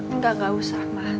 enggak enggak usah ma